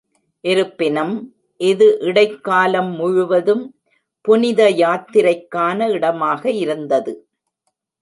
இருப்பினும், இது இடைக்காலம் முழுவதும் புனித யாத்திரைக்கான இடமாக இருந்தது.